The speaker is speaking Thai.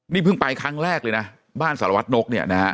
นี่เพิ่งไปครั้งแรกเลยนะบ้านสารวัตนกเนี่ยนะฮะ